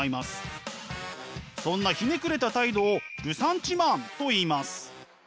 そんなひねくれた態度をルサンチマンといいます。